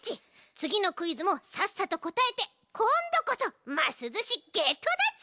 つぎのクイズもさっさとこたえてこんどこそますずしゲットだち！